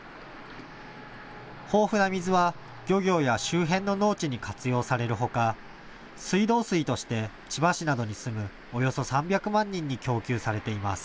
豊富な水は漁業や周辺の農地に活用されるほか、水道水として千葉市などに住むおよそ３００万人に供給されています。